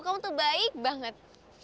kamu tuh baik banget